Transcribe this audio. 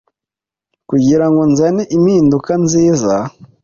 kugira ngo nzane impinduka nziza,